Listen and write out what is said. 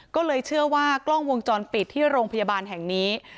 ก็เลยเชื่อว่ากล้องวงจรปิดที่โรงพยาบาลแห่งนี้